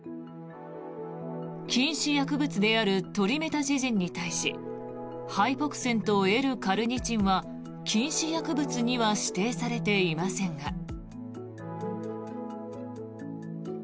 禁止薬物であるトリメタジジンに対しハイポクセンとＬ−カルニチンは禁止薬物には指定されていませんが。